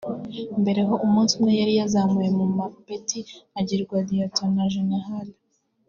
mbere ho umunsi umwe yari yazamuwe mu mapeti agirwa lieutenant General